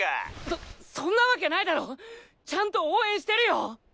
そそんなわけないだろ！ちゃんと応援してるよ！